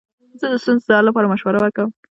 زه د ستونزو د حل لپاره مشوره کوم.